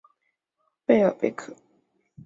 贝尔佩克。